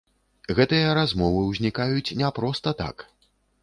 Гэтыя размовы ўзнікаюць не проста так!